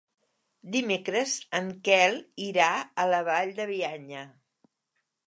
Dimecres en Quel irà a la Vall de Bianya.